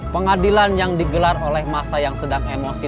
pengadilan yang digelar oleh masa yang sedang emosi